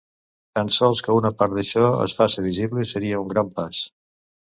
Tan sols que una part d’això es faça visible seria un gran pas.